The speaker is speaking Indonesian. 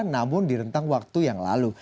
namun direntang waktu yang lalu